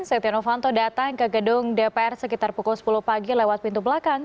setia novanto datang ke gedung dpr sekitar pukul sepuluh pagi lewat pintu belakang